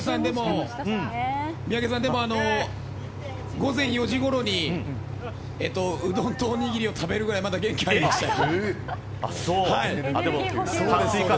三宅さんでも、あの午前４時ごろにうどんとおにぎりを食べるぐらいまで、まだ元気がありましたよ。